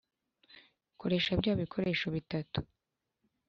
koresha bya bikoresho bitatu